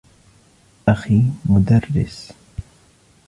أخي مدرس.